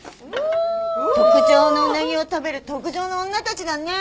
特上のうなぎを食べる特上の女たちだね？